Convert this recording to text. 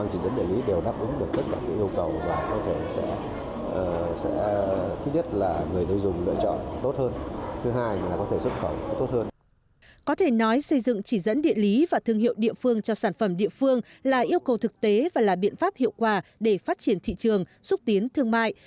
có thể nói xây dựng chỉ dẫn địa lý và thương hiệu địa phương cho sản phẩm địa phương là yêu cầu thực tế và là biện pháp hiệu quả để phát triển thị trường xúc tiến thương mại